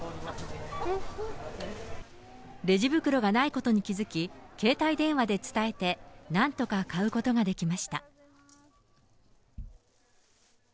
レジ袋がないことに気付き、携帯電話で伝えて、なんとか買うことができました。